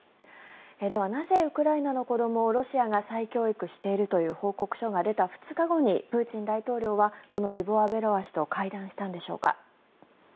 では、なぜウクライナの子どもをロシアが再教育しているという報告書が出た２日後にプーチン大統領はこのリボワ・ベロワ氏と会談したのでしょうか。